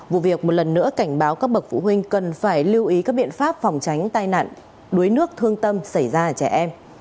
vụ việc một lần nữa cảnh báo các bậc phụ huynh cần phải lưu ý các biện pháp phòng tránh tai nạn đuối nước thương tâm xảy ra ở trẻ em